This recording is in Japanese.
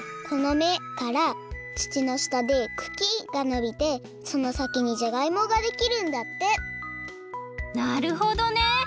このめから土のしたでくきがのびてそのさきにじゃがいもができるんだってなるほどね！